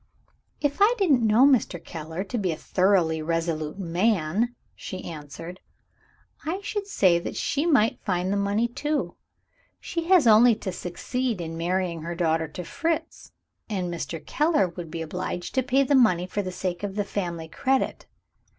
"If I didn't know Mr. Keller to be a thoroughly resolute man," she answered, "I should say she might find the money too. She has only to succeed in marrying her daughter to Fritz, and Mr. Keller would be obliged to pay the money for the sake of the family credit.